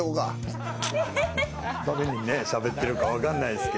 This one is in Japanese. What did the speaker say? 誰にねしゃべってるか分かんないですけど。